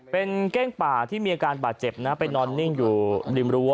เป็นเก้งป่าที่มีอาการบาดเจ็บนะไปนอนนิ่งอยู่ริมรั้ว